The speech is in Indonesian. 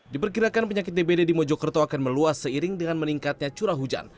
diperkirakan penyakit dbd di mojokerto akan meluas seiring dengan meningkatnya curah hujan